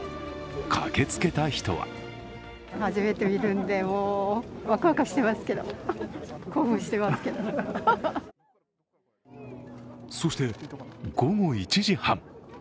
駆けつけた人はそして午後１時半。